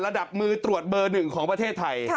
ระดับมือตรวจเบอร์๑ของประเทศไทย